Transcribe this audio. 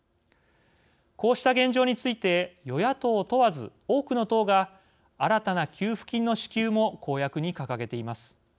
こうした現状について与野党問わず、多くの党が新たな給付金の支給も公約に掲げています。